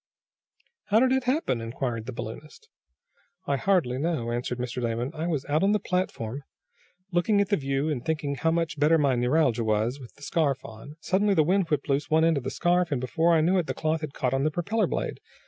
"How did it happen?" inquired the balloonist. "I hardly know," answered Mr. Damon. "I was out on the platform, looking at the view, and thinking how much better my neuralgia was, with the scarf on. Suddenly the wind whipped loose one end of the scarf, and, before I knew it the cloth had caught on the propeller blade.